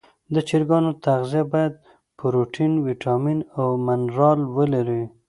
د چرګانو تغذیه باید پروټین، ویټامین او منرال ولري.